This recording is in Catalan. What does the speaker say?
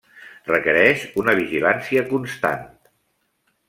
Requereix una vigilància constant.